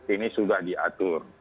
ini sudah diatur